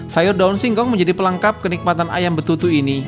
sayur daun singkong menjadi pelengkap kenikmatan ayam betutu ini